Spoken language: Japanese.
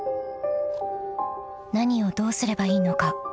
［何をどうすればいいのか］